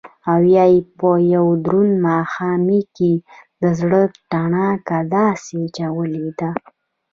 او يا يې په يو دروند ماښامي کښې دزړه تڼاکه داسې چولې ده